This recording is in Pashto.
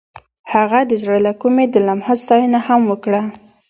هغې د زړه له کومې د لمحه ستاینه هم وکړه.